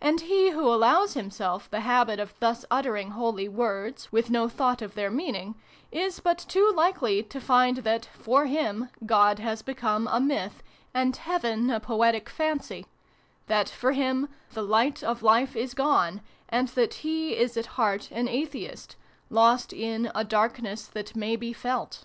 And he, who allows himself the habit of thus uttering holy words, with no thought of their meaning, is but too likely to find that, for him, God has become a myth, and heaven a poetic fancy that, for him, the light of life is gone, and that he is at heart an atheist, lost in " darkness that may be felt."